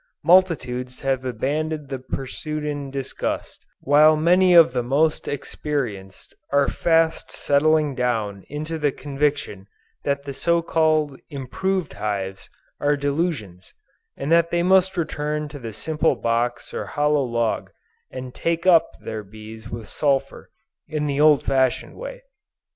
Multitudes have abandoned the pursuit in disgust, while many of the most experienced, are fast settling down into the conviction that all the so called "Improved Hives" are delusions, and that they must return to the simple box or hollow log, and "take up" their bees with sulphur, in the old fashioned way.